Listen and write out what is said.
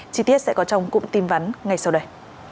chi tiết sẽ có trong cụm tin vắn ngay sau đây